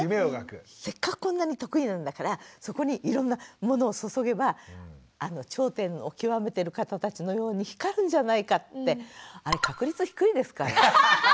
せっかくこんなに得意なんだからそこにいろんなものを注げばあの頂点を極めてる方たちのように光るんじゃないかってあれまじね